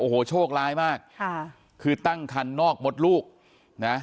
โอ้โหโชคร้ายมากค่ะคือตั้งคันนอกมดลูกนะ